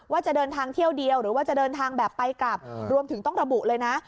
ว่าจะเดินทางเที่ยวเดียวหรือว่าจะเดินทางแบบไปกลับรวมถึงต้องระบุเลยนะ